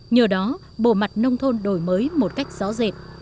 nhờ đó bộ mặt nông thôn đổi mới một cách rõ rệt